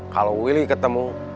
kalau willy ketemu